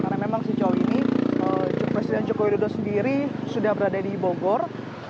karena memang sejauh ini presiden joko widodo sendiri sudah berada di bogor